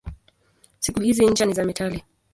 Siku hizi ncha ni za metali.